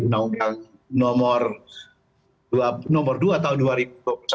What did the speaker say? undang undang nomor dua tahun dua ribu dua puluh satu